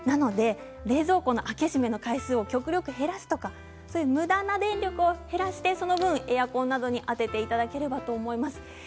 冷蔵庫の開け閉めの回数を極力減らすとか、むだな電力を減らしてその分、エアコンなどに充てていただければと思います。